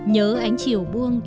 nhớ ánh chiều buông